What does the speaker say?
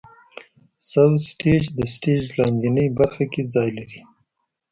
سب سټیج د سټیج لاندینۍ برخه کې ځای لري.